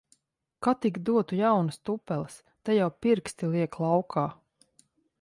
Ka tik dotu jaunas tupeles! Te jau pirksti liek laukā.